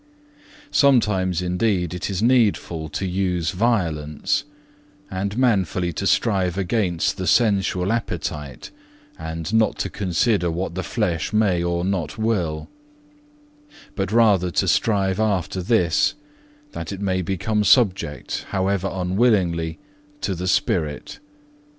5. "Sometimes, indeed, it is needful to use violence, and manfully to strive against the sensual appetite, and not to consider what the flesh may or not will; but rather to strive after this, that it may become subject, however unwillingly, to the spirit.